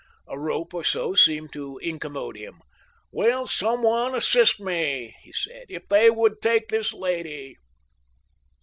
A rope or so seemed to incommode him. "Will some one assist me?" he said. "If they would take this lady?"